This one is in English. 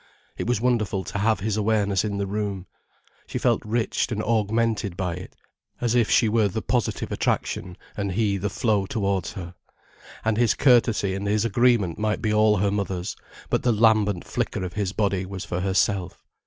It was wonderful to have his awareness in the room. She felt rich and augmented by it, as if she were the positive attraction and he the flow towards her. And his courtesy and his agreement might be all her mother's, but the lambent flicker of his body was for herself.